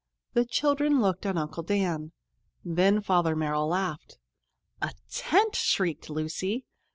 The children looked at Uncle Dan. Then Father Merrill laughed. "A tent!" shrieked Lucy.